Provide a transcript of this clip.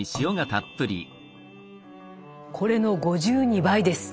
これの５２倍です！